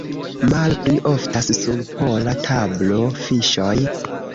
Malpli oftas sur pola tablo fiŝoj.